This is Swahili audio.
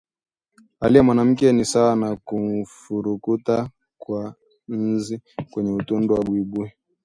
Hali ya mwanamke ni sawa na kufurukuta kwa nzi kwenye utandu wa buibui